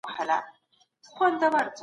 ژمنی خوب د دې یو مثال دی.